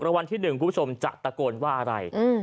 แล้ววันที่หนึ่งคุณผู้ชมจะตะโกนว่าอะไรอืม